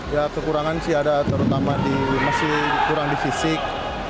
ya kekurangan sih ada terutama masih kurang di fisik